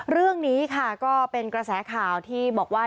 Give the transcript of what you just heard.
เรื่องนี้ค่ะก็เป็นกระแสข่าวที่บอกว่า